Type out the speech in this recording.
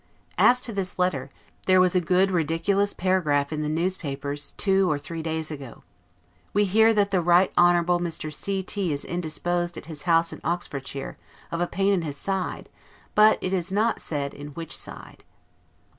As to this latter, there was a good ridiculous paragraph in the newspapers two or three days ago. WE HEAR THAT THE RIGHT HONORABLE MR. C T IS INDISPOSED AT HIS HOUSE IN OXFORDSHIRE, OF A PAIN IN HIS SIDE; BUT IT IS NOT SAID IN WHICH SIDE.